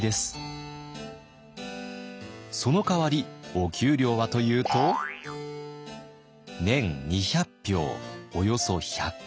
そのかわりお給料はというと年２００俵およそ１００石。